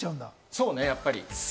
そうねやっぱり。